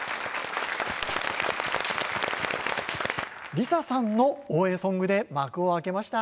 ＬｉＳＡ さんの応援ソングで幕を開けました。